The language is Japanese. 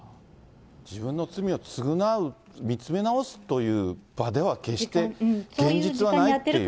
自分の罪を償う、見つめ直すという場では決して、現実はないっていう。